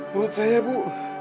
buk saya bu